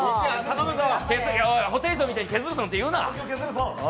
ホテイソンみたいにケズルゾンって言うな！